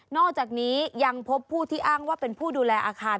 อกจากนี้ยังพบผู้ที่อ้างว่าเป็นผู้ดูแลอาคาร